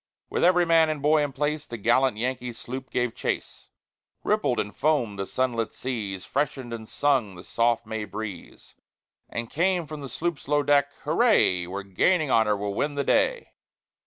With every man and boy in place, The gallant Yankee sloop gave chase. Rippled and foamed the sunlit seas; Freshened and sung the soft May breeze; And came from the sloop's low deck, "Hurray! We're gaining on her! We'll win the day!"